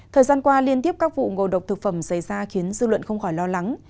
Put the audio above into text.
thời gian qua liên tiếp các vụ ngộ độc thực phẩm xảy ra khiến dư luận không khỏi lo lắng